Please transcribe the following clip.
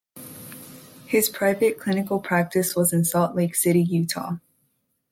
His private clinical practice was in Salt Lake City, Utah.